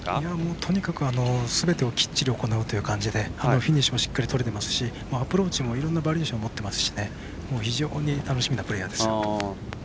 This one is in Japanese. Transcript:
とにかくすべてをきっちり行うという感じでフィニッシュもきっちり取れてますしアプローチもいろんなバリエーション持ってますし非常に楽しみなプレーヤーです。